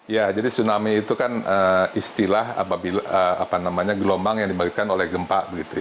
ya jadi tsunami itu kan istilah apa namanya gelombang yang dibangkitkan oleh gempa